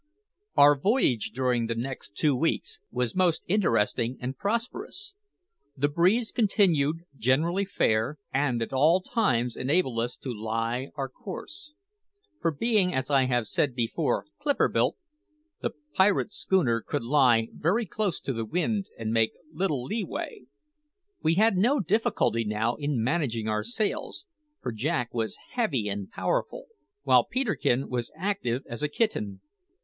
Our voyage during the next two weeks was most interesting and prosperous. The breeze continued generally fair, and at all times enabled us to lie our course; for being, as I have said before, clipper built, the pirate schooner could lie very close to the wind and make little leeway. We had no difficulty now in managing our sails, for Jack was heavy and powerful, while Peterkin was active as a kitten.